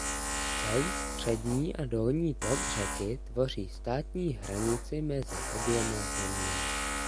Celý střední a dolní tok řeky tvoří státní hranici mezi oběma zeměmi.